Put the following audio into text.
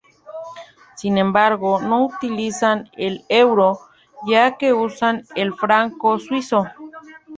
Sin embargo, no utilizan el euro, ya que usan el franco suizo.